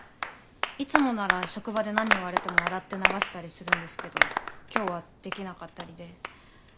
いつもなら職場で何言われても笑って流したりするんですけど今日はできなかったりで。